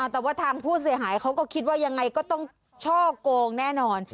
แต่ว่าทางผู้เสียหายเขาก็คิดว่ายังไงก็ต้องช่อกงแน่นอน